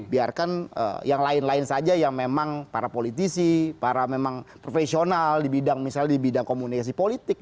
biarkan yang lain lain saja yang memang para politisi para memang profesional di bidang misalnya di bidang komunikasi politik